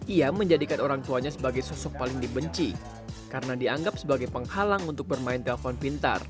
ia menjadikan orang tuanya sebagai sosok paling dibenci karena dianggap sebagai penghalang untuk bermain telepon pintar